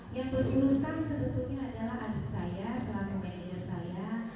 yang berurusan sebetulnya adalah adik saya sebagai manajer saya